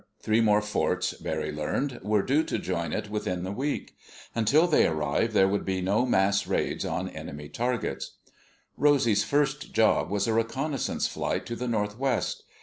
Three more forts, Barry learned, were due to join it within the week. Until they arrived there would be no mass raids on enemy targets. Rosy's first job was a reconnaissance flight to the northwest.